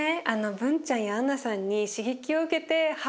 ブンちゃんやアンナさんに刺激を受けてお！